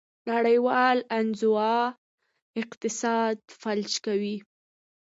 نړیوال انزوا اقتصاد فلج کوي.